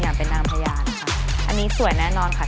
อันนี้สวยแน่นอนค่ะ